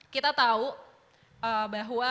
kita tahu bahwa